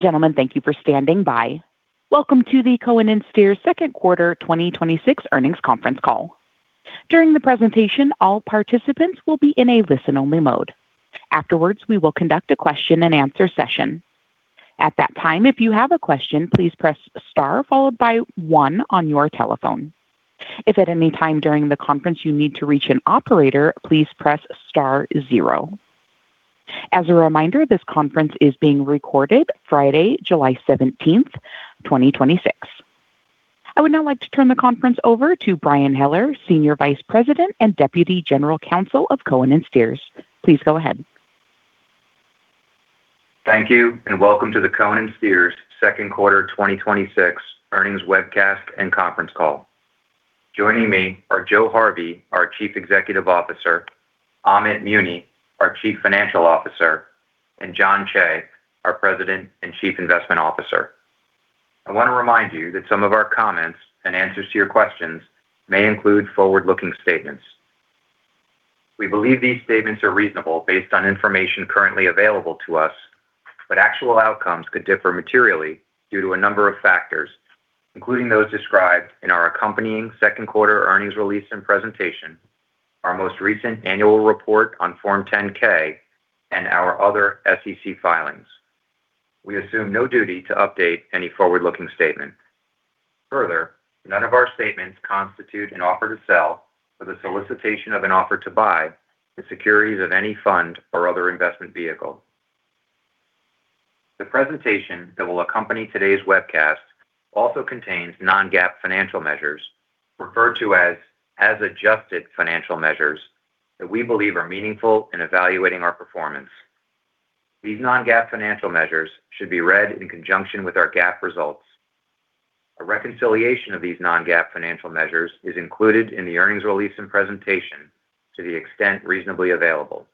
Gentlemen, thank you for standing by. Welcome to the Cohen & Steers second quarter 2026 earnings conference call. During the presentation, all participants will be in a listen-only mode. Afterwards, we will conduct a question and answer session. At that time, if you have a question, please press star followed by one on your telephone. If at any time during the conference you need to reach an operator, please press star zero. As a reminder, this conference is being recorded Friday, July 17th, 2026. I would now like to turn the conference over to Brian Heller, Senior Vice President and Deputy General Counsel of Cohen & Steers. Please go ahead. Thank you. Welcome to the Cohen & Steers second quarter 2026 earnings webcast and conference call. Joining me are Joe Harvey, our Chief Executive Officer, Amit Muni, our Chief Financial Officer, and Jon Cheigh, our President and Chief Investment Officer. I want to remind you that some of our comments and answers to your questions may include forward-looking statements. We believe these statements are reasonable based on information currently available to us, but actual outcomes could differ materially due to a number of factors, including those described in our accompanying second quarter earnings release and presentation, our most recent annual report on Form 10-K and our other SEC filings. We assume no duty to update any forward-looking statement. Further, none of our statements constitute an offer to sell or the solicitation of an offer to buy the securities of any fund or other investment vehicle. The presentation that will accompany today's webcast also contains non-GAAP financial measures referred to as adjusted financial measures that we believe are meaningful in evaluating our performance. These non-GAAP financial measures should be read in conjunction with our GAAP results. A reconciliation of these non-GAAP financial measures is included in the earnings release and presentation to the extent reasonably available.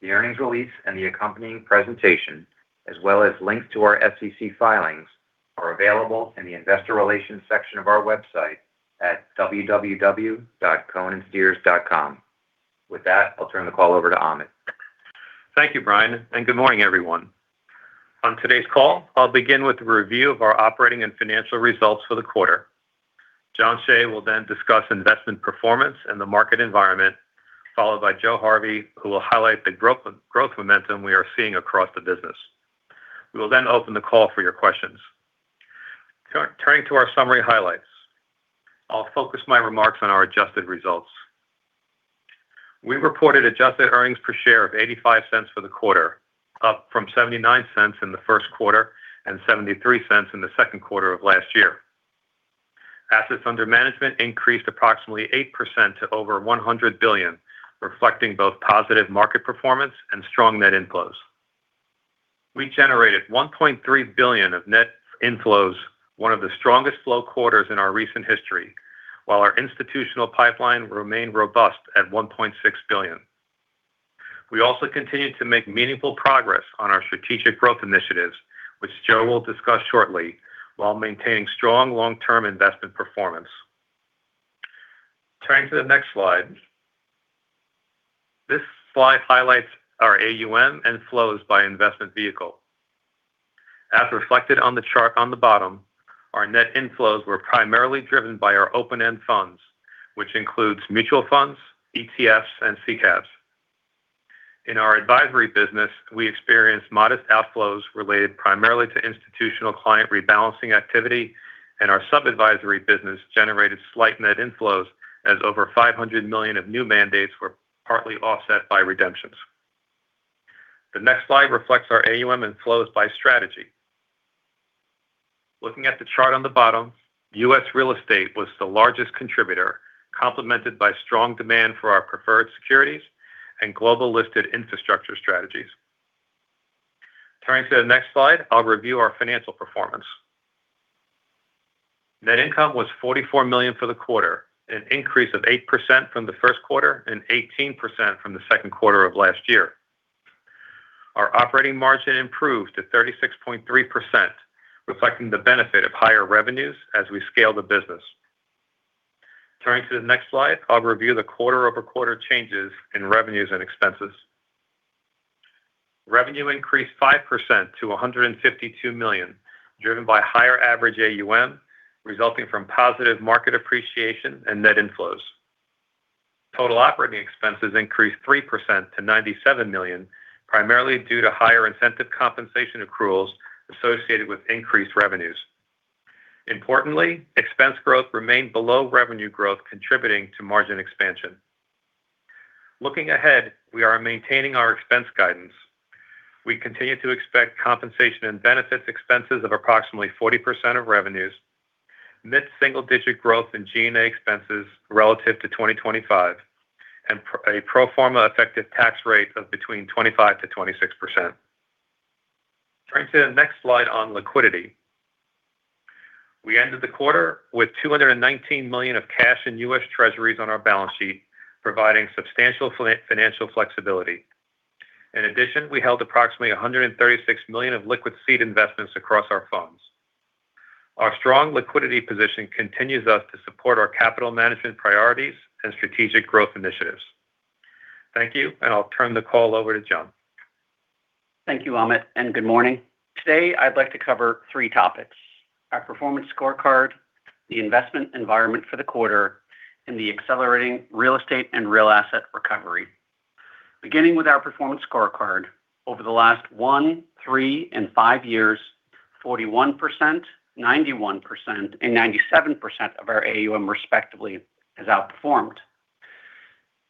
The earnings release and the accompanying presentation, as well as links to our SEC filings, are available in the investor relations section of our website at www.cohenandsteers.com. With that, I'll turn the call over to Amit. Thank you, Brian. Good morning, everyone. On today's call, I'll begin with a review of our operating and financial results for the quarter. Jon Cheigh will then discuss investment performance and the market environment, followed by Joe Harvey, who will highlight the growth momentum we are seeing across the business. We will then open the call for your questions. Turning to our summary highlights. I'll focus my remarks on our adjusted results. We reported adjusted earnings per share of $0.85 for the quarter, up from $0.79 in the first quarter and $0.73 in the second quarter of last year. Assets under management increased approximately 8% to over $100 billion, reflecting both positive market performance and strong net inflows. We generated $1.3 billion of net inflows, one of the strongest flow quarters in our recent history, while our institutional pipeline remained robust at $1.6 billion. We also continued to make meaningful progress on our strategic growth initiatives, which Joe will discuss shortly while maintaining strong long-term investment performance. Turning to the next slide. This slide highlights our AUM and flows by investment vehicle. As reflected on the chart on the bottom, our net inflows were primarily driven by our open-end funds, which includes mutual funds, ETFs, and SICAVs. In our advisory business, we experienced modest outflows related primarily to institutional client rebalancing activity, and our sub-advisory business generated slight net inflows as over $500 million of new mandates were partly offset by redemptions. The next slide reflects our AUM and flows by strategy. Looking at the chart on the bottom, U.S. real estate was the largest contributor, complemented by strong demand for our preferred securities and global listed infrastructure strategies. Turning to the next slide, I'll review our financial performance. Net income was $44 million for the quarter, an increase of 8% from the first quarter and 18% from the second quarter of last year. Our operating margin improved to 36.3%, reflecting the benefit of higher revenues as we scale the business. Turning to the next slide, I'll review the quarter-over-quarter changes in revenues and expenses. Revenue increased 5% to $152 million, driven by higher average AUM, resulting from positive market appreciation and net inflows. Total operating expenses increased 3% to $97 million, primarily due to higher incentive compensation accruals associated with increased revenues. Importantly, expense growth remained below revenue growth, contributing to margin expansion. Looking ahead, we are maintaining our expense guidance. We continue to expect compensation and benefits expenses of approximately 40% of revenues. Mid-single-digit growth in G&A expenses relative to 2025 and a pro forma effective tax rate of between 25%-26%. Turning to the next slide on liquidity. We ended the quarter with $219 million of cash in U.S. Treasuries on our balance sheet, providing substantial financial flexibility. In addition, we held approximately $136 million of liquid seed investments across our funds. Strong liquidity position continues us to support our capital management priorities and strategic growth initiatives. Thank you, and I'll turn the call over to Jon. Thank you, Amit, and good morning. Today, I'd like to cover three topics: our performance scorecard, the investment environment for the quarter, and the accelerating real estate and real asset recovery. Beginning with our performance scorecard, over the last one, three, and five years, 41%, 91%, and 97% of our AUM respectively has outperformed.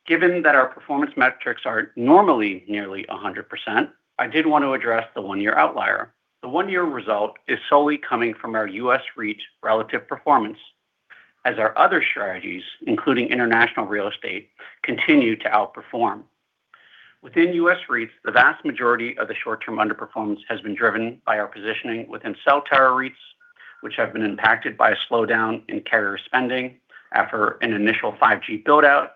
Given that our performance metrics are normally nearly 100%, I did want to address the one-year outlier. The one-year result is solely coming from our U.S. REIT relative performance as our other strategies, including international real estate, continue to outperform. Within U.S. REITs, the vast majority of the short-term underperformance has been driven by our positioning within cell tower REITs, which have been impacted by a slowdown in carrier spending after an initial 5G build-out.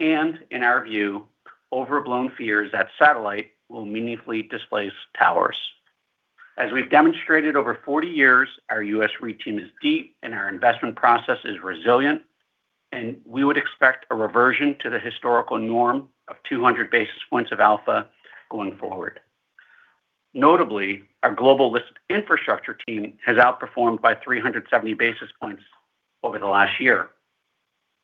And in our view, overblown fears that satellite will meaningfully displace towers. As we've demonstrated over 40 years, our U.S. REIT team is deep, and our investment process is resilient, and we would expect a reversion to the historical norm of 200 basis points of alpha going forward. Notably, our global listed infrastructure team has outperformed by 370 basis points over the last year.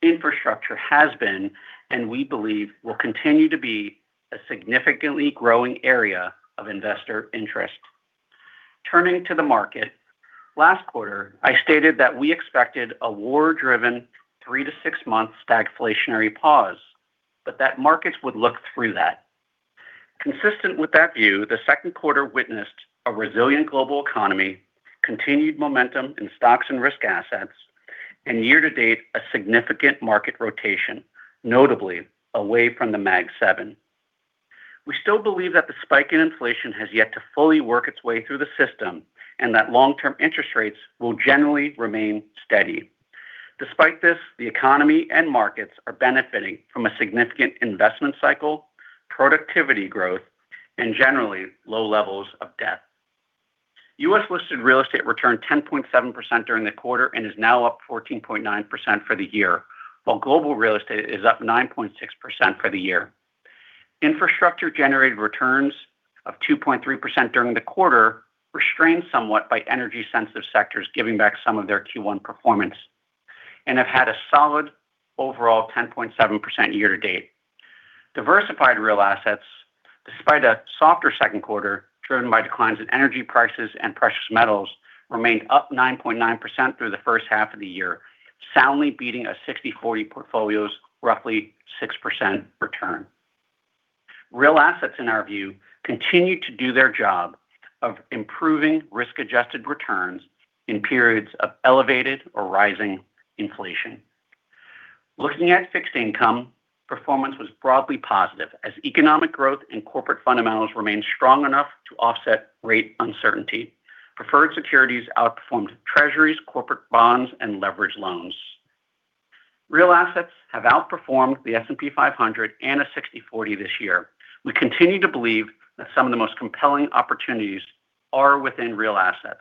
Infrastructure has been, and we believe, will continue to be, a significantly growing area of investor interest. Turning to the market, last quarter, I stated that we expected a war-driven three to six-month stagflationary pause, but that markets would look through that. Consistent with that view, the second quarter witnessed a resilient global economy, continued momentum in stocks and risk assets, and year-to-date, a significant market rotation, notably away from the Mag Seven. We still believe that the spike in inflation has yet to fully work its way through the system, and that long-term interest rates will generally remain steady. Despite this, the economy and markets are benefiting from a significant investment cycle, productivity growth, and generally low levels of debt. U.S.-listed real estate returned 10.7% during the quarter and is now up 14.9% for the year, while global real estate is up 9.6% for the year. Infrastructure-generated returns of 2.3% during the quarter restrained somewhat by energy-sensitive sectors, giving back some of their Q1 performance and have had a solid overall 10.7% year-to-date. Diversified real assets, despite a softer second quarter driven by declines in energy prices and precious metals, remained up 9.9% through the first half of the year, soundly beating a 60/40 portfolio's roughly 6% return. Real assets, in our view, continue to do their job of improving risk-adjusted returns in periods of elevated or rising inflation. Looking at fixed income, performance was broadly positive as economic growth and corporate fundamentals remained strong enough to offset rate uncertainty. Preferred securities outperformed Treasuries, corporate bonds, and leverage loans. Real assets have outperformed the S&P 500 and a 60/40 this year. We continue to believe that some of the most compelling opportunities are within real assets,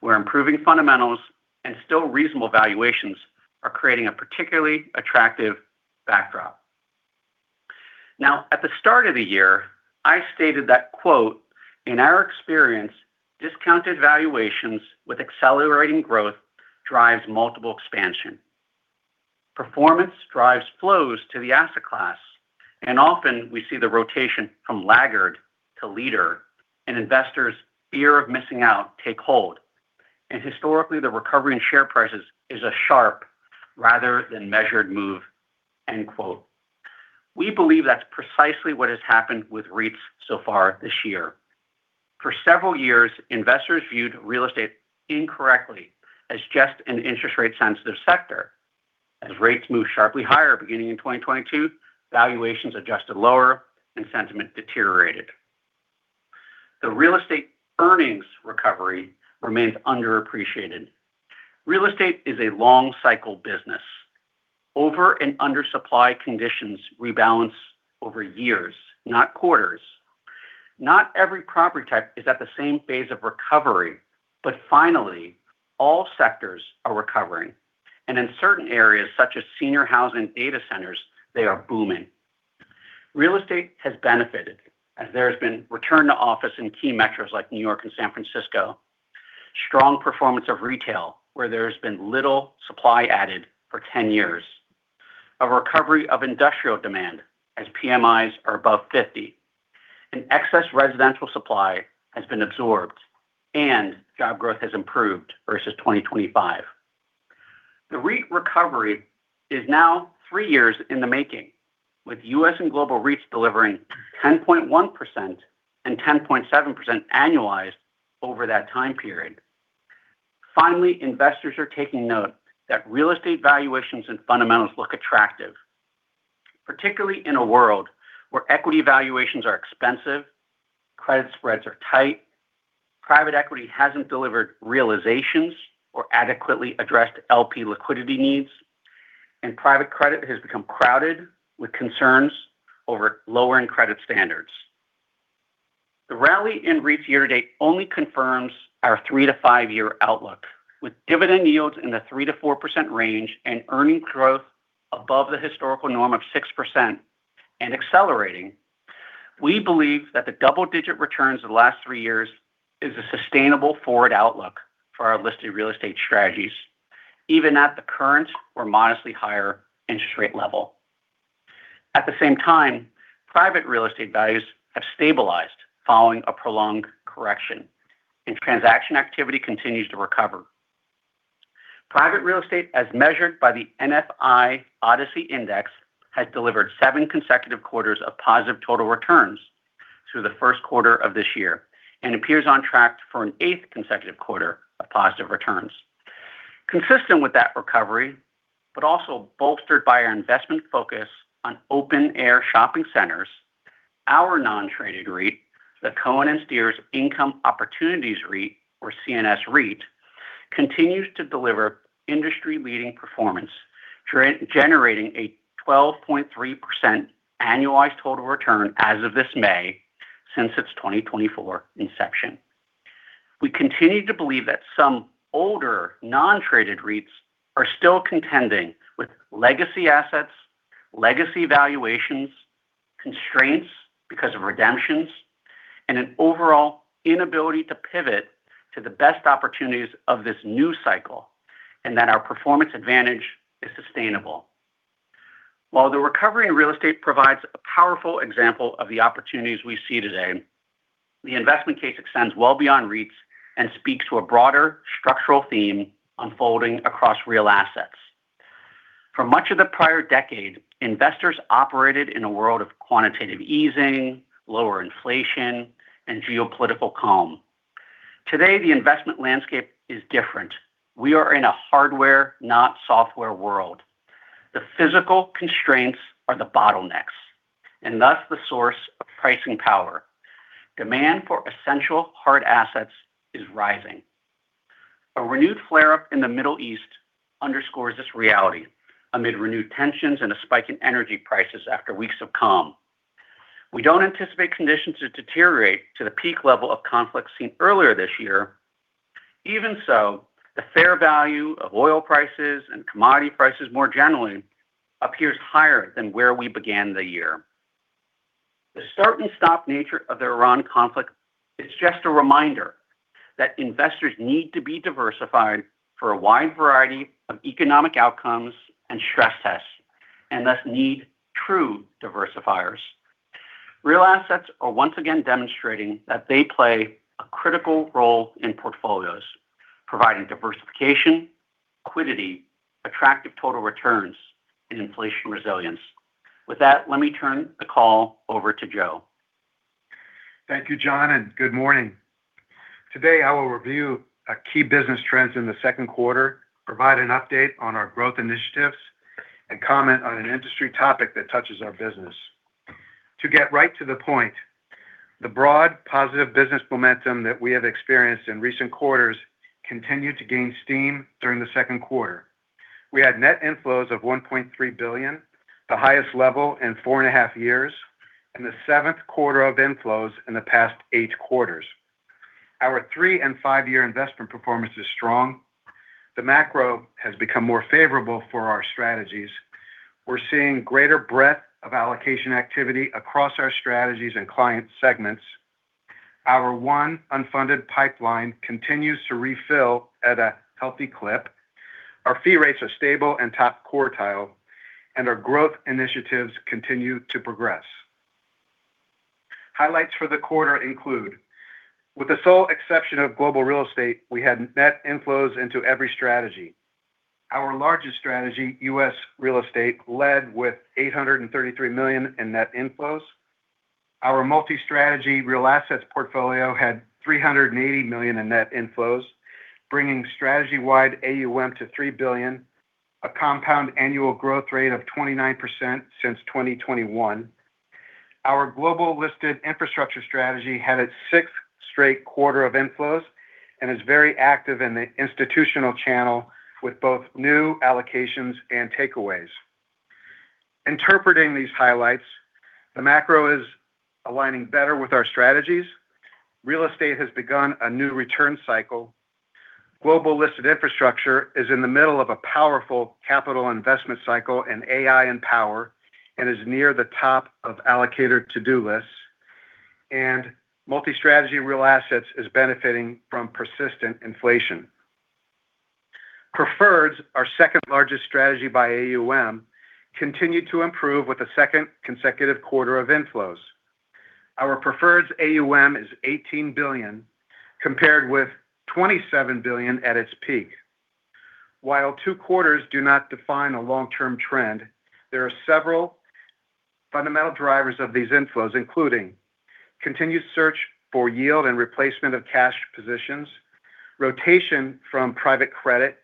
where improving fundamentals and still reasonable valuations are creating a particularly attractive backdrop. Now, at the start of the year, I stated that, quote, "In our experience, discounted valuations with accelerating growth drives multiple expansion. Performance drives flows to the asset class, and often we see the rotation from laggard to leader and investors' fear of missing out take hold, and historically the recovery in share prices is a sharp rather than measured move," end quote. We believe that's precisely what has happened with REITs so far this year. For several years, investors viewed real estate incorrectly as just an interest rate-sensitive sector. As rates moved sharply higher beginning in 2022, valuations adjusted lower and sentiment deteriorated. The real estate earnings recovery remains underappreciated. Real estate is a long-cycle business. Over and under supply conditions rebalance over years, not quarters. Not every property type is at the same phase of recovery, but finally, all sectors are recovering, and in certain areas such as senior housing, data centers, they are booming. Real estate has benefited as there has been return to office in key metros like New York and San Francisco, strong performance of retail where there has been little supply added for 10 years. A recovery of industrial demand as PMIs are above 50, and excess residential supply has been absorbed and job growth has improved versus 2025. The REIT recovery is now three years in the making, with U.S. and global REITs delivering 10.1% and 10.7% annualized over that time period. Finally, investors are taking note that real estate valuations and fundamentals look attractive, particularly in a world where equity valuations are expensive, credit spreads are tight, private equity hasn't delivered realizations or adequately addressed LP liquidity needs, and private credit has become crowded with concerns over lowering credit standards. The rally in REITs year-to-date only confirms our three to five-year outlook, with dividend yields in the 3%-4% range and earning growth above the historical norm of 6% and accelerating. We believe that the double-digit returns of the last three years is a sustainable forward outlook for our listed real estate strategies, even at the current or modestly higher interest rate level. At the same time, private real estate values have stabilized following a prolonged correction, and transaction activity continues to recover. Private real estate, as measured by the NFI-ODCE Index, has delivered seven consecutive quarters of positive total returns through the first quarter of this year and appears on track for an eighth consecutive quarter of positive returns. Consistent with that recovery, but also bolstered by our investment focus on open-air shopping centers, our non-traded REIT, the Cohen & Steers Income Opportunities REIT, or CNSREIT, continues to deliver industry-leading performance, generating a 12.3% annualized total return as of this May since its 2024 inception. We continue to believe that some older non-traded REITs are still contending with legacy assets, legacy valuations, constraints because of redemptions, and an overall inability to pivot to the best opportunities of this new cycle, and that our performance advantage is sustainable. While the recovery in real estate provides a powerful example of the opportunities we see today, the investment case extends well beyond REITs and speaks to a broader structural theme unfolding across real assets. For much of the prior decade, investors operated in a world of quantitative easing, lower inflation, and geopolitical calm. Today, the investment landscape is different. We are in a hardware, not software world. The physical constraints are the bottlenecks, and thus the source of pricing power. Demand for essential hard assets is rising. A renewed flare-up in the Middle East underscores this reality amid renewed tensions and a spike in energy prices after weeks of calm. We don't anticipate conditions to deteriorate to the peak level of conflict seen earlier this year. Even so, the fair value of oil prices and commodity prices more generally appears higher than where we began the year. The start and stop nature of the Iran conflict is just a reminder that investors need to be diversified for a wide variety of economic outcomes and stress tests, and thus need true diversifiers. Real assets are once again demonstrating that they play a critical role in portfolios, providing diversification, liquidity, attractive total returns, and inflation resilience. With that, let me turn the call over to Joe. Thank you, Jon, and good morning. Today, I will review our key business trends in the second quarter, provide an update on our growth initiatives, and comment on an industry topic that touches our business. To get right to the point, the broad positive business momentum that we have experienced in recent quarters continued to gain steam during the second quarter. We had net inflows of $1.3 billion, the highest level in four and a half years, and the seventh quarter of inflows in the past eight quarters. Our three- and five-year investment performance is strong. The macro has become more favorable for our strategies. We're seeing greater breadth of allocation activity across our strategies and client segments. Our won unfunded pipeline continues to refill at a healthy clip. Our fee rates are stable and top quartile, and our growth initiatives continue to progress. Highlights for the quarter include, with the sole exception of global real estate, we had net inflows into every strategy. Our largest strategy, U.S. Real Estate, led with $833 million in net inflows. Our multi-strategy Real Assets portfolio had $380 million in net inflows, bringing strategy-wide AUM to $3 billion, a compound annual growth rate of 29% since 2021. Our global listed infrastructure strategy had its sixth straight quarter of inflows and is very active in the institutional channel with both new allocations and takeaways. Interpreting these highlights, the macro is aligning better with our strategies. Real estate has begun a new return cycle. Global listed infrastructure is in the middle of a powerful capital investment cycle in AI and power and is near the top of allocator to-do lists. Multi-strategy real assets is benefiting from persistent inflation. Preferreds, our second-largest strategy by AUM, continued to improve with a second consecutive quarter of inflows. Our preferreds AUM is $18 billion, compared with $27 billion at its peak. While two quarters do not define a long-term trend, there are several fundamental drivers of these inflows, including continued search for yield and replacement of cash positions, rotation from private credit,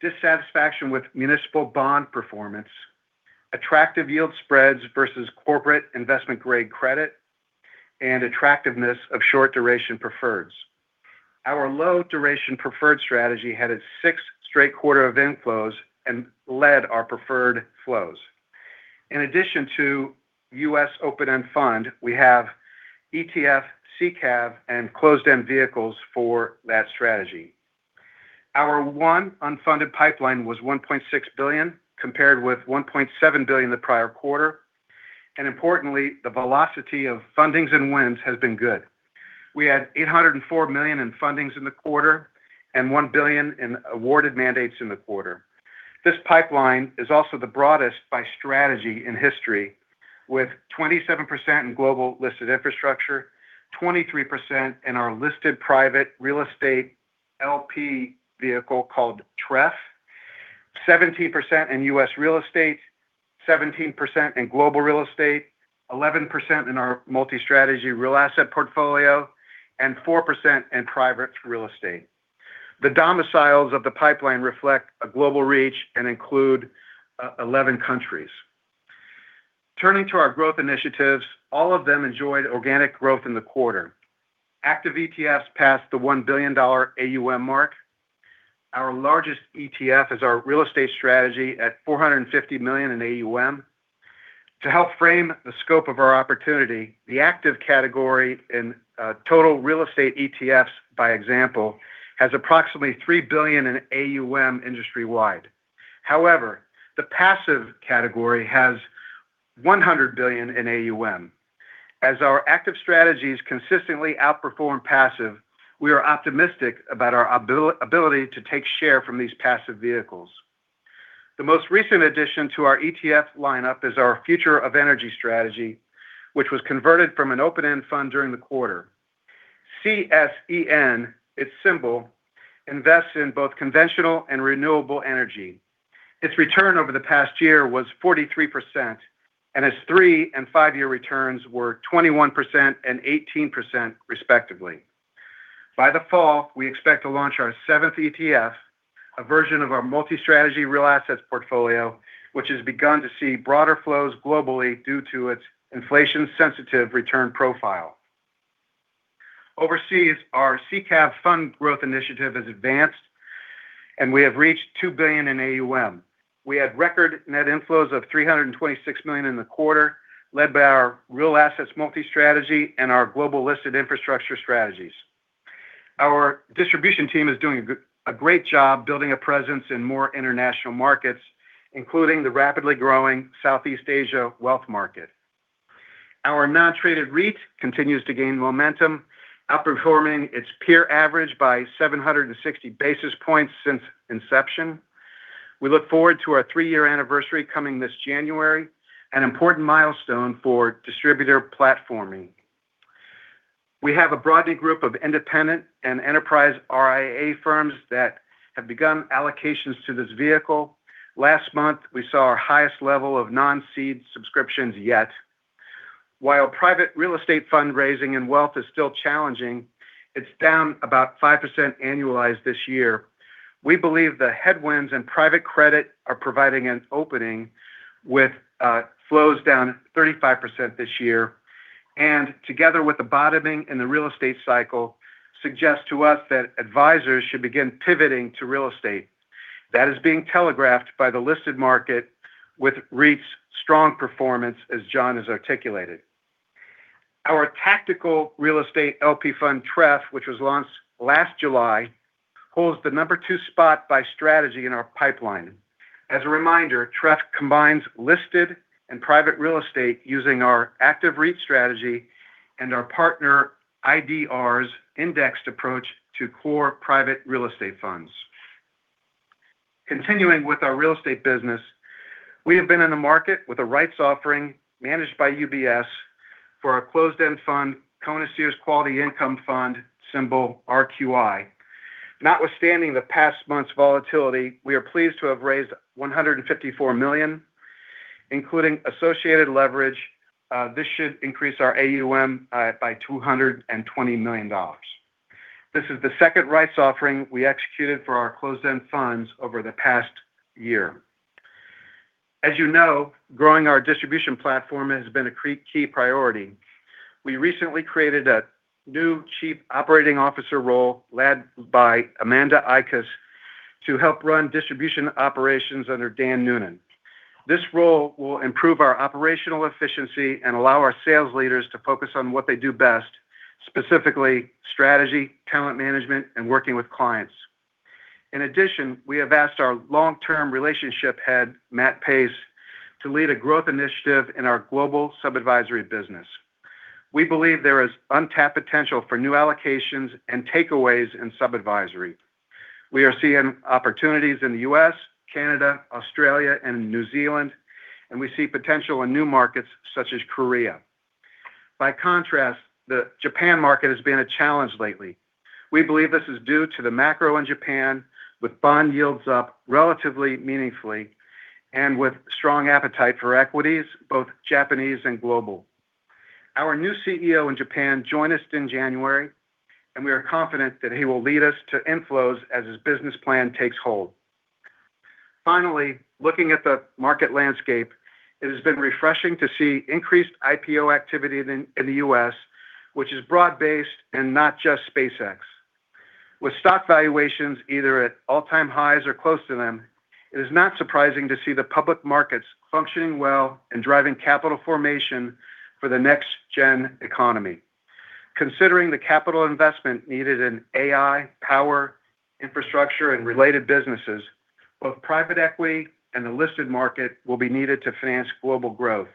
dissatisfaction with municipal bond performance, attractive yield spreads versus corporate investment-grade credit, and attractiveness of short-duration preferreds. Our low-duration preferred strategy had its sixth straight quarter of inflows and led our preferred flows. In addition to U.S. open-end fund, we have ETF, SICAV, and closed-end vehicles for that strategy. Our one unfunded pipeline was $1.6 billion, compared with $1.7 billion the prior quarter. Importantly, the velocity of fundings and wins has been good. We had $804 million in fundings in the quarter, and $1 billion in awarded mandates in the quarter. This pipeline is also the broadest by strategy in history, with 27% in global listed infrastructure, 23% in our listed private real estate LP vehicle called TREF, 17% in U.S. real estate, 17% in global real estate, 11% in our multi-strategy real asset portfolio, and 4% in private real estate. The domiciles of the pipeline reflect a global reach and include 11 countries. Turning to our growth initiatives, all of them enjoyed organic growth in the quarter. Active ETFs passed the $1 billion AUM mark. Our largest ETF is our real estate strategy at $450 million in AUM. To help frame the scope of our opportunity, the active category in total real estate ETFs, by example, has approximately $3 billion in AUM industry-wide. However, the passive category has $100 billion in AUM. As our active strategies consistently outperform passive, we are optimistic about our ability to take share from these passive vehicles. The most recent addition to our ETF lineup is our Future of Energy strategy, which was converted from an open-end fund during the quarter. CSEN, its symbol, invests in both conventional and renewable energy. Its return over the past year was 43%, and its three and five-year returns were 21% and 18%, respectively. By the fall, we expect to launch our seventh ETF, a version of our multi-strategy real assets portfolio, which has begun to see broader flows globally due to its inflation-sensitive return profile. Overseas, our SICAV fund growth initiative has advanced, and we have reached $2 billion in AUM. We had record net inflows of $326 million in the quarter, led by our real assets multi-strategy and our global listed infrastructure strategies. Our distribution team is doing a great job building a presence in more international markets, including the rapidly growing Southeast Asia wealth market. Our non-traded REIT continues to gain momentum, outperforming its peer average by 760 basis points since inception. We look forward to our three-year anniversary coming this January, an important milestone for distributor platforming. We have a broad new group of independent and enterprise RIA firms that have begun allocations to this vehicle. Last month, we saw our highest level of non-seed subscriptions yet. While private real estate fundraising and wealth is still challenging, it's down about 5% annualized this year. We believe the headwinds in private credit are providing an opening with flows down 35% this year, and together with the bottoming in the real estate cycle, suggest to us that advisors should begin pivoting to real estate. That is being telegraphed by the listed market with REITs strong performance, as Jon has articulated. Our Tactical Real Estate LP fund, TREF, which was launched last July, holds the number two spot by strategy in our pipeline. As a reminder, TREF combines listed and private real estate using our active REIT strategy and our partner IDR's indexed approach to core private real estate funds. Continuing with our real estate business, we have been in the market with a rights offering managed by UBS for our closed-end fund, Cohen & Steers Quality Income Fund, symbol RQI. Notwithstanding the past month's volatility, we are pleased to have raised $154 million, including associated leverage. This should increase our AUM by $220 million. This is the second rights offering we executed for our closed-end funds over the past year. As you know, growing our distribution platform has been a key priority. We recently created a new Chief Operating Officer role led by Amanda Ikuss to help run distribution operations under Dan Noonan. This role will improve our operational efficiency and allow our sales leaders to focus on what they do best, specifically strategy, talent management, and working with clients. In addition, we have asked our long-term relationship head, Matt Pace, to lead a growth initiative in our global sub-advisory business. We believe there is untapped potential for new allocations and takeaways in sub-advisory. We are seeing opportunities in the U.S., Canada, Australia, and New Zealand, and we see potential in new markets such as Korea. By contrast, the Japan market has been a challenge lately. We believe this is due to the macro in Japan, with bond yields up relatively meaningfully and with strong appetite for equities, both Japanese and global. Our new CEO in Japan joined us in January, and we are confident that he will lead us to inflows as his business plan takes hold. Finally, looking at the market landscape, it has been refreshing to see increased IPO activity in the U.S., which is broad-based and not just SpaceX. With stock valuations either at all-time highs or close to them, it is not surprising to see the public markets functioning well and driving capital formation for the next-gen economy. Considering the capital investment needed in AI, power, infrastructure, and related businesses, both private equity and the listed market will be needed to finance global growth.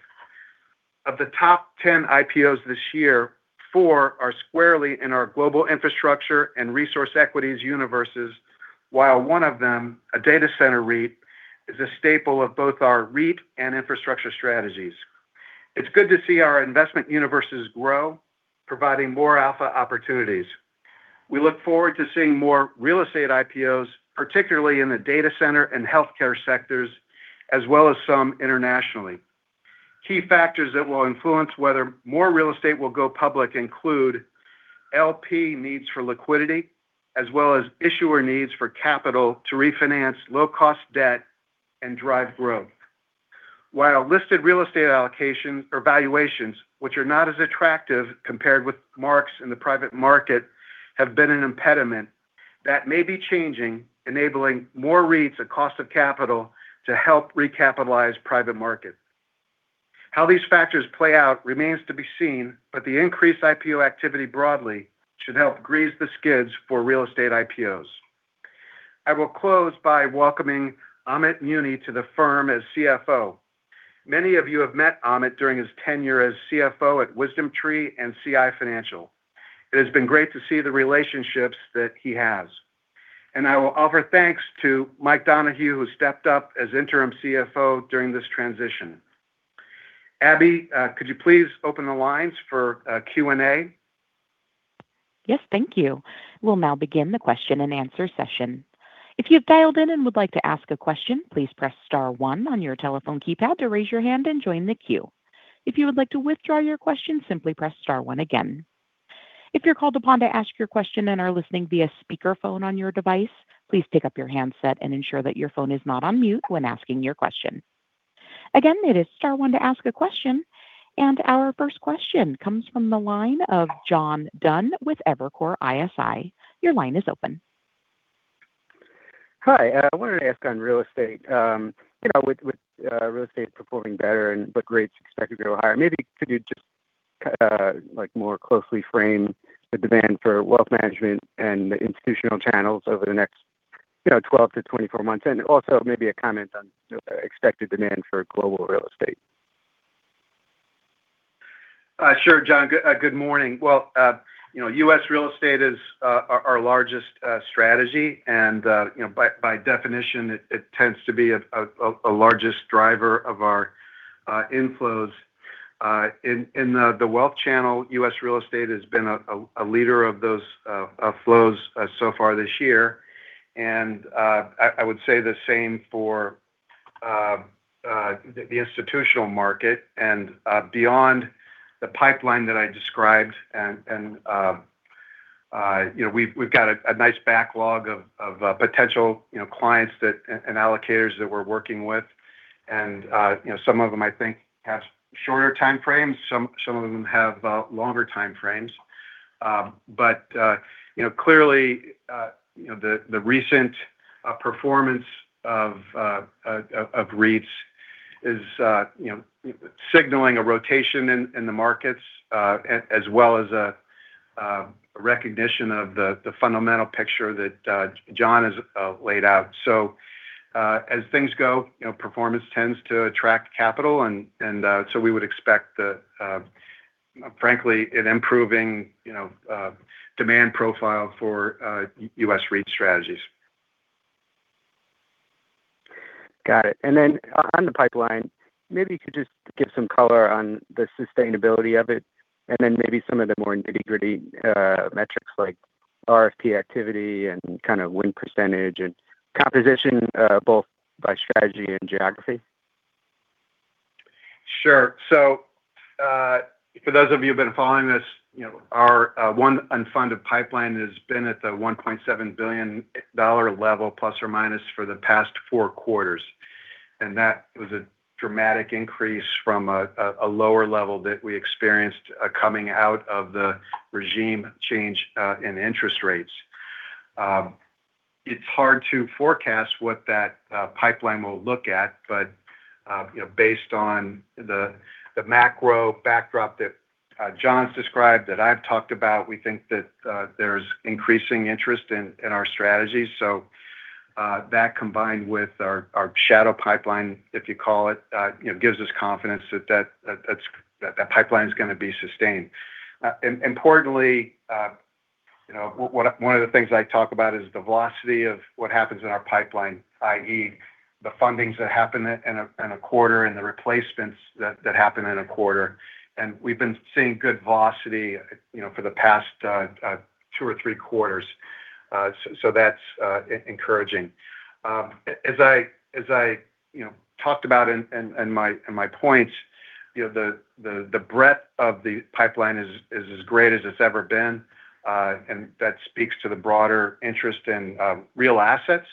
Of the top 10 IPOs this year, four are squarely in our global infrastructure and resource equities universes, while one of them, a data center REIT, is a staple of both our REIT and infrastructure strategies. It's good to see our investment universes grow, providing more alpha opportunities. We look forward to seeing more real estate IPOs, particularly in the data center and healthcare sectors, as well as some internationally. Key factors that will influence whether more real estate will go public include LP needs for liquidity, as well as issuer needs for capital to refinance low-cost debt and drive growth. While listed real estate valuations, which are not as attractive compared with marks in the private market, have been an impediment. That may be changing, enabling more REITs a cost of capital to help recapitalize private market. How these factors play out remains to be seen, the increased IPO activity broadly should help grease the skids for real estate IPOs. I will close by welcoming Amit Muni to the firm as CFO. Many of you have met Amit during his tenure as CFO at WisdomTree and CI Financial. It has been great to see the relationships that he has. I will offer thanks to Mike Donohue, who stepped up as interim CFO during this transition. Abby, could you please open the lines for Q&A? Yes, thank you. We'll now begin the question and answer session. If you've dialed in and would like to ask a question, please press star one on your telephone keypad to raise your hand and join the queue. If you would like to withdraw your question, simply press star one again. If you're called upon to ask your question and are listening via speakerphone on your device, please pick up your handset and ensure that your phone is not on mute when asking your question. Again, it is star one to ask a question. Our first question comes from the line of John Dunn with Evercore ISI. Your line is open. Hi. I wanted to ask on real estate. With real estate performing better and with rates expected to go higher, maybe could you just more closely frame the demand for wealth management and the institutional channels over the next 12-24 months? Also maybe a comment on expected demand for global real estate. Sure, John. Good morning. Well, U.S. real estate is our largest strategy, and by definition, it tends to be a largest driver of our inflows. In the wealth channel, U.S. real estate has been a leader of those flows so far this year. I would say the same for the institutional market. Beyond the pipeline that I described, we've got a nice backlog of potential clients and allocators that we're working with. Some of them, I think, have shorter time frames, some of them have longer time frames. Clearly, the recent performance of REITs is signaling a rotation in the markets as well as a recognition of the fundamental picture that Jon has laid out. As things go, performance tends to attract capital, and so we would expect frankly, an improving demand profile for U.S. REIT strategies. Got it. On the pipeline, maybe you could just give some color on the sustainability of it, and then maybe some of the more nitty-gritty metrics like RFP activity and win percent and composition both by strategy and geography. Sure. For those of you who've been following this, our one unfunded pipeline has been at the $1.7 billion level, ±, for the past 4 quarters. That was a dramatic increase from a lower level that we experienced coming out of the regime change in interest rates. It's hard to forecast what that pipeline will look at, but based on the macro backdrop that Jon's described, that I've talked about, we think that there's increasing interest in our strategies. That combined with our shadow pipeline, if you call it, gives us confidence that that pipeline is going to be sustained. Importantly, one of the things I talk about is the velocity of what happens in our pipeline, i.e., the fundings that happen in a quarter and the replacements that happen in a quarter. We've been seeing good velocity for the past two or three quarters. That's encouraging. As I talked about in my points, the breadth of the pipeline is as great as it's ever been. That speaks to the broader interest in real assets.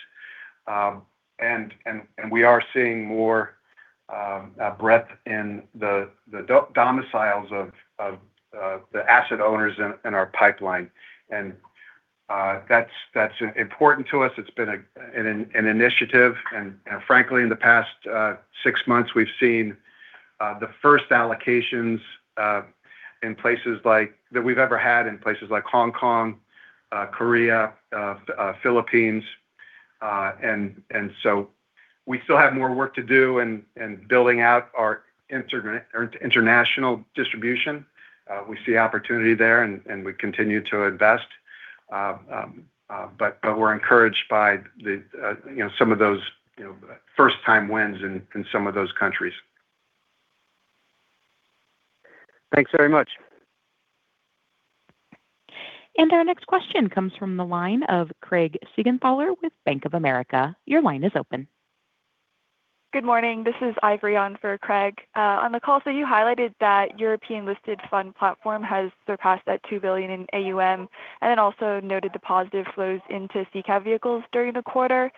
We are seeing more breadth in the domiciles of the asset owners in our pipeline. That's important to us. It's been an initiative, and frankly, in the past six months, we've seen the first allocations that we've ever had in places like Hong Kong, Korea, Philippines. We still have more work to do in building out our international distribution. We see opportunity there, and we continue to invest. We're encouraged by some of those first-time wins in some of those countries. Thanks very much. Our next question comes from the line of Craig Siegenthaler with Bank of America. Your line is open. Good morning. This is Ivory on for Craig. On the call, you highlighted that European-listed fund platform has surpassed that $2 billion in AUM, also noted the positive flows into SICAV vehicles during the quarter.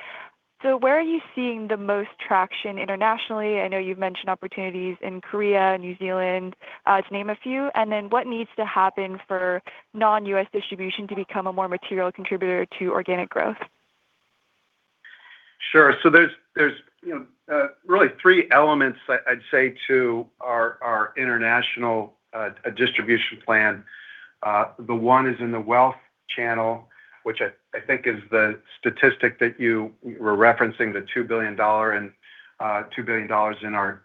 Where are you seeing the most traction internationally? I know you've mentioned opportunities in Korea, New Zealand, to name a few. What needs to happen for non-U.S. distribution to become a more material contributor to organic growth? Sure. There's really three elements that I'd say to our international distribution plan. The one is in the wealth channel, which I think is the statistic that you were referencing, the $2 billion in our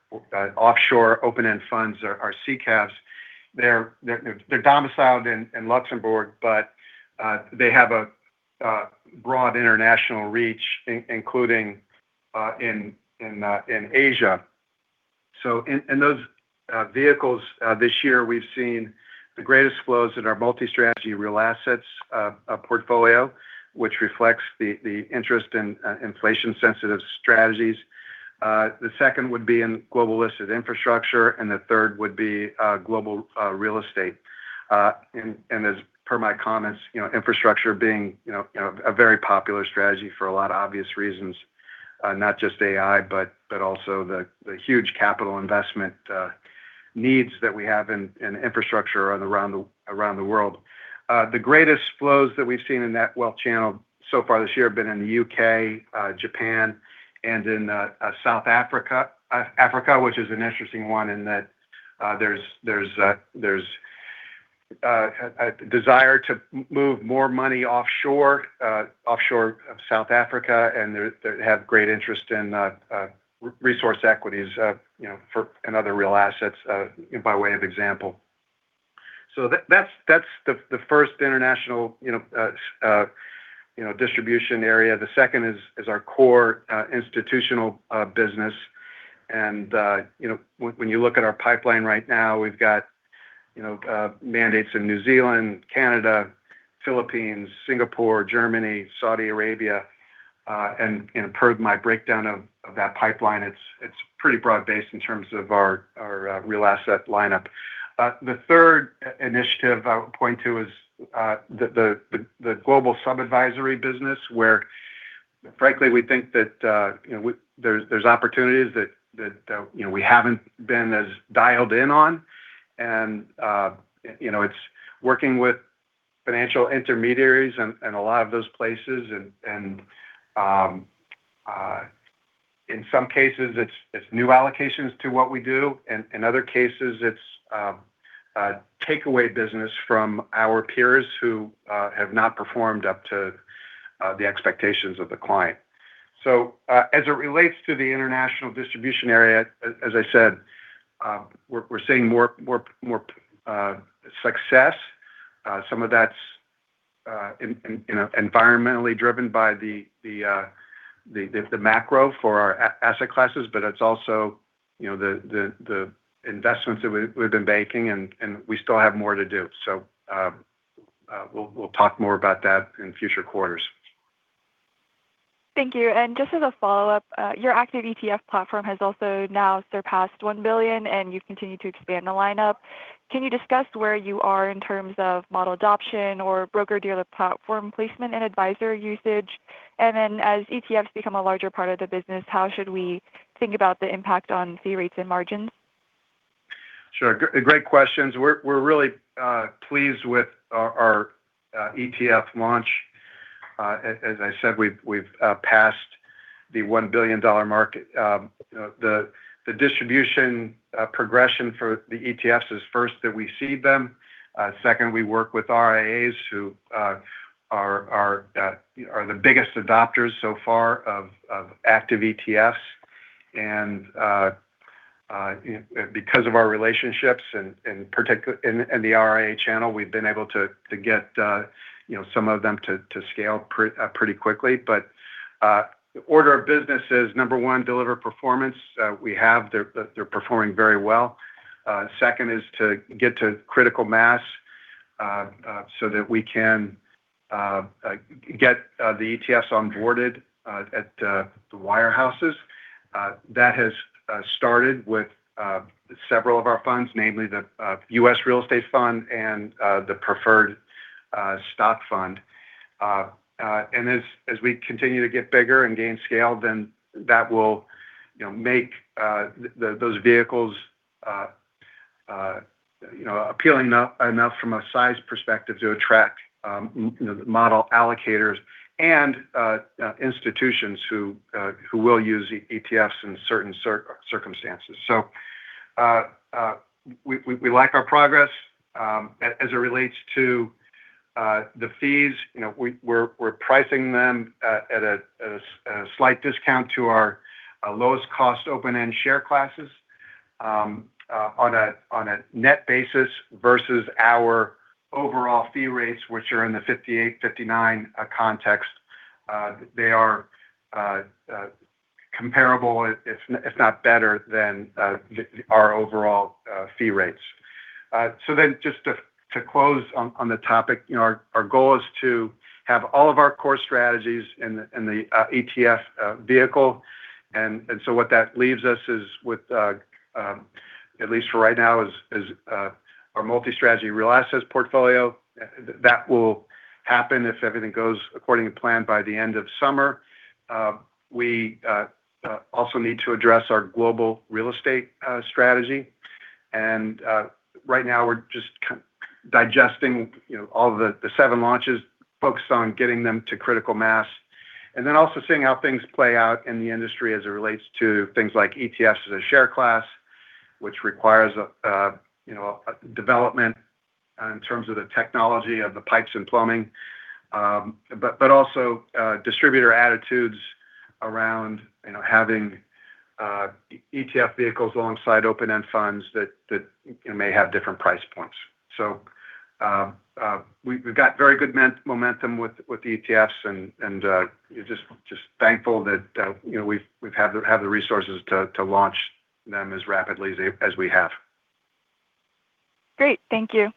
offshore open-end funds, our SICAVs. They're domiciled in Luxembourg, but they have a broad international reach, including in Asia. In those vehicles this year, we've seen the greatest flows in our multi-strategy real assets portfolio, which reflects the interest in inflation-sensitive strategies. The second would be in global listed infrastructure, the third would be global real estate. As per my comments, infrastructure being a very popular strategy for a lot of obvious reasons, not just AI, but also the huge capital investment needs that we have in infrastructure around the world. The greatest flows that we've seen in that wealth channel so far this year have been in the U.K., Japan, and in South Africa, which is an interesting one in that there's a desire to move more money offshore of South Africa, and they have great interest in resource equities and other real assets, by way of example. That's the first international distribution area. The second is our core institutional business. When you look at our pipeline right now, we've got mandates in New Zealand, Canada, Philippines, Singapore, Germany, Saudi Arabia. Per my breakdown of that pipeline, it's pretty broad-based in terms of our real asset lineup. The third initiative I would point to is the global sub-advisory business, where frankly, we think that there's opportunities that we haven't been as dialed in on. It's working with financial intermediaries in a lot of those places. In some cases, it's new allocations to what we do. In other cases, it's takeaway business from our peers who have not performed up to the expectations of the client. As it relates to the international distribution area, as I said, we're seeing more success. Some of that's environmentally driven by the macro for our asset classes, but it's also the investments that we've been making, and we still have more to do. We'll talk more about that in future quarters. Thank you. Just as a follow-up, your active ETF platform has also now surpassed $1 billion, and you've continued to expand the lineup. Can you discuss where you are in terms of model adoption or broker-dealer platform placement and advisor usage? As ETFs become a larger part of the business, how should we think about the impact on fee rates and margins? Sure. Great questions. We're really pleased with our ETF launch. As I said, we've passed the $1 billion market. The distribution progression for the ETFs is first that we seed them. Second, we work with RIAs, who are the biggest adopters so far of active ETFs. Because of our relationships, and particularly in the RIA channel, we've been able to get some of them to scale pretty quickly. The order of business is, number one, deliver performance. We have. They're performing very well. Second is to get to critical mass so that we can get the ETFs onboarded at the wirehouses. That has started with several of our funds, namely the U.S. Real Estate Fund and the Preferred Stock Fund. As we continue to get bigger and gain scale, that will make those vehicles appealing enough from a size perspective to attract model allocators and institutions who will use ETFs in certain circumstances. We like our progress. As it relates to the fees, we're pricing them at a slight discount to our lowest cost open-end share classes on a net basis versus our overall fee rates, which are in the 58, 59 context. They are comparable, if not better, than our overall fee rates. Just to close on the topic, our goal is to have all of our core strategies in the ETF vehicle. What that leaves us is with, at least for right now, is our multi-strategy real assets portfolio. That will happen, if everything goes according to plan, by the end of summer. We also need to address our global real estate strategy. Right now, we're just kind of digesting all the seven launches, focused on getting them to critical mass, and then also seeing how things play out in the industry as it relates to things like ETFs as a share class, which requires development in terms of the technology of the pipes and plumbing. But also distributor attitudes around having ETF vehicles alongside open-end funds that may have different price points. We've got very good momentum with the ETFs and just thankful that we've had the resources to launch them as rapidly as we have. Great. Thank you.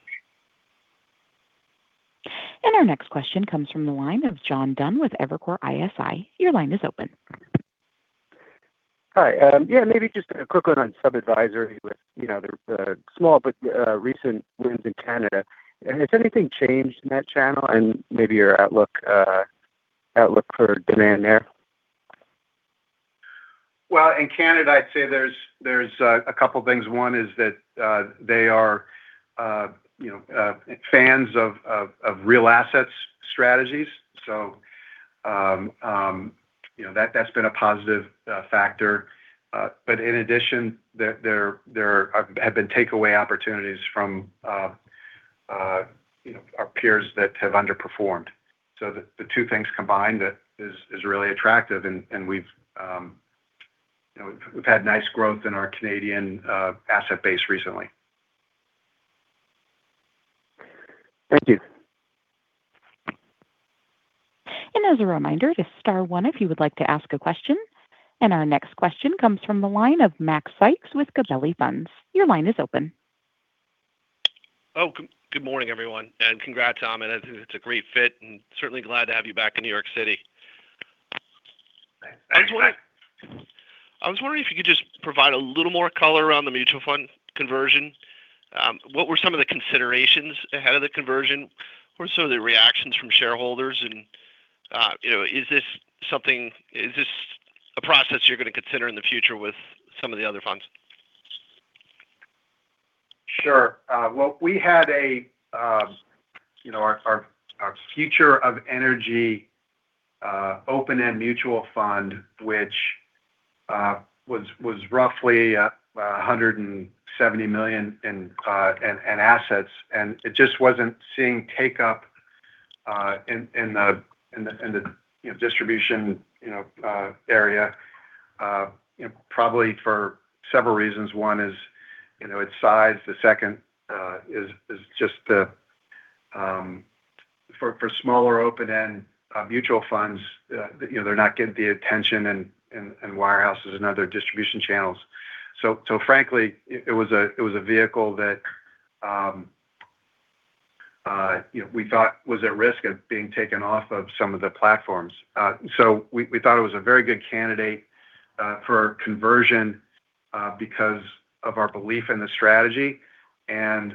Our next question comes from the line of John Dunn with Evercore ISI. Your line is open. Hi. Yeah, maybe just a quick one on sub-advisory with the small, but recent wins in Canada. Has anything changed in that channel and maybe your outlook for demand there? Well, in Canada, I'd say there's a couple things. One is that they are fans of real assets strategies. That's been a positive factor. In addition, there have been takeaway opportunities from our peers that have underperformed. The two things combined is really attractive, and we've had nice growth in our Canadian asset base recently. Thank you. As a reminder, just star one if you would like to ask a question. Our next question comes from the line of Macrae Sykes with Gabelli Funds. Your line is open. Good morning, everyone, and congrats, Amit. I think it's a great fit, and certainly glad to have you back in New York City. Thanks, Max. I was wondering if you could just provide a little more color around the mutual fund conversion. What were some of the considerations ahead of the conversion? What are some of the reactions from shareholders, and is this a process you're going to consider in the future with some of the other funds? Sure. Well, we had our Future of Energy open-end mutual fund, which was roughly $170 million in assets, and it just wasn't seeing take-up in the distribution area. Probably for several reasons. One is its size. The second is just for smaller open-end mutual funds, they're not getting the attention in wire houses and other distribution channels. Frankly, it was a vehicle that we thought was at risk of being taken off of some of the platforms. We thought it was a very good candidate for conversion because of our belief in the strategy and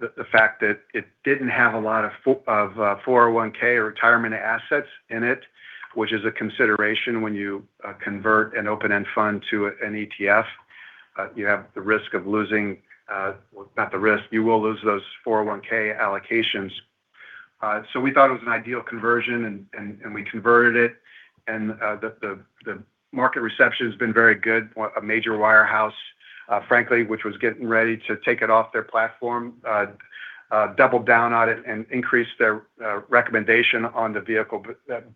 the fact that it didn't have a lot of 401(k) retirement assets in it, which is a consideration when you convert an open-end fund to an ETF. Not the risk. You will lose those 401(k) allocations. We thought it was an ideal conversion, and we converted it, and the market reception has been very good. A major wire house, frankly, which was getting ready to take it off their platform, doubled down on it and increased their recommendation on the vehicle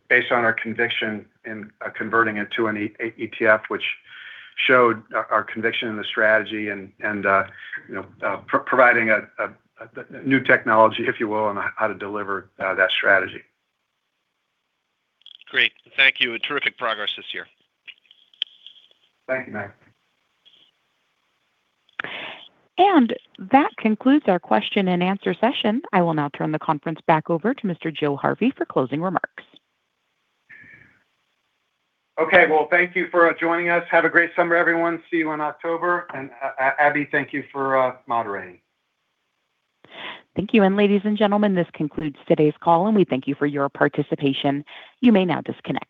based on our conviction in converting it to an ETF, which showed our conviction in the strategy and providing a new technology, if you will, on how to deliver that strategy. Great. Thank you. Terrific progress this year. Thank you, Max. That concludes our question and answer session. I will now turn the conference back over to Mr. Joe Harvey for closing remarks. Okay. Well, thank you for joining us. Have a great summer, everyone. See you in October. Abby, thank you for moderating. Thank you. Ladies and gentlemen, this concludes today's call, and we thank you for your participation. You may now disconnect.